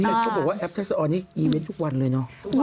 นี่หนูบอกว่าแอฟค์สะออนนี่อีเวนท์ทุกวันเลยเนอะ